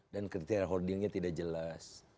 dan kriteria holdingnya tidak jelas